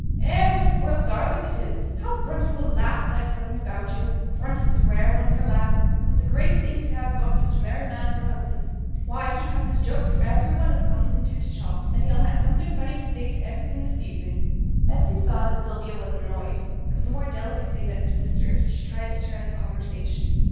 'Eh! what a spoilt darling it is. How Brunton will laugh when I tell him about yo'; Brunton's a rare one for laughin'. It's a great thing to have got such a merry man for a husband. Why! he has his joke for every one as comes into t' shop; and he'll ha' something funny to say to everything this evenin'.' Bessy saw that Sylvia was annoyed, and, with more delicacy than her sister, she tried to turn the conversation.